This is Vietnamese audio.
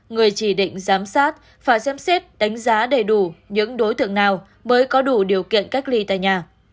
người chỉ định giám sát phải xem xét đánh giá đầy đủ những đối tượng nào mới có đủ điều kiện cách ly tại nhà